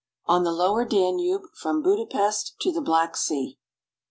ON THE LOWER DANUBE FROM BUDAPEST TO THE BLACK SEA.